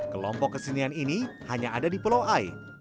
kelompok kesenian ini hanya ada di pulau ai